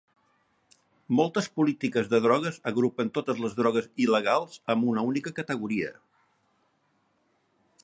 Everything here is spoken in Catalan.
Moltes polítiques de drogues agrupen totes les drogues il·legals en una única categoria.